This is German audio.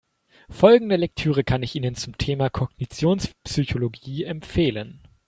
Folgende Lektüre kann ich Ihnen zum Thema Kognitionspsychologie empfehlen.